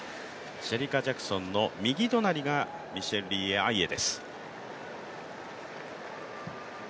シェリカ・ジャクソンの右隣がミッシェルリー・アイエです。